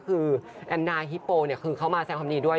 คือแอนนาฮิปโปคือเขามาแสดงความดีด้วย